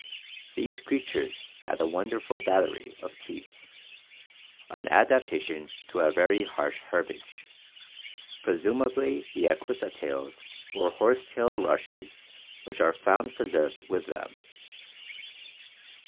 These creatures had a wonderful battery of teeth, an adaptation to a very harsh herbage, presumably the Equisetales or horsetail rushes which are found preserved with them.